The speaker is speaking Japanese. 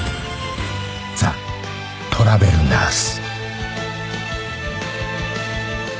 ザ・トラベルナース